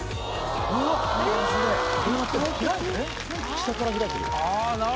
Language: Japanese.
下から開いてる。